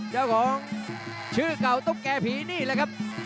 เจ้าของชื่อเก่าตุ๊กแก่ผีนี่แหละครับ